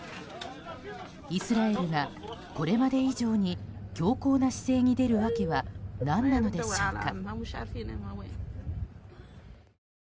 イスラエルが、これまで以上に強硬な姿勢に出る訳は何なのでしょうか？